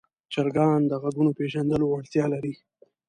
چرګان د غږونو پېژندلو وړتیا لري.